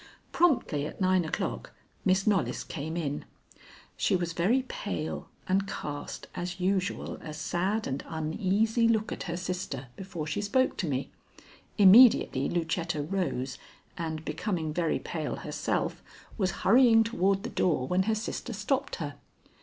Promptly at nine o'clock Miss Knollys came in. She was very pale and cast, as usual, a sad and uneasy look at her sister before she spoke to me. Immediately Lucetta rose, and, becoming very pale herself, was hurrying toward the door when her sister stopped her.